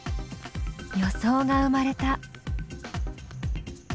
予想が生まれた。